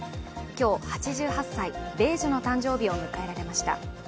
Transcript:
今日、８８歳、米寿の誕生日を迎えられました。